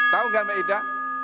tahu gak mbak ida